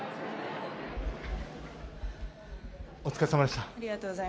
お疲れさまでした。